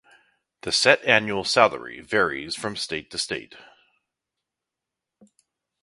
The set annual salary varies from state to state.